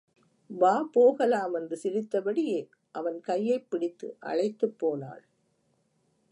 வா போகலாம் என்று சிரித்தபடியே அவன் கையைப் பிடித்து அழைத்துப் போனாள்.